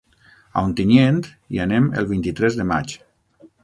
A Ontinyent hi anem el vint-i-tres de maig.